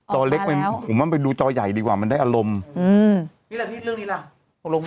ตอนเล็กผมว่าไปดูจอใหญ่ดีกว่ามันได้อารมณ์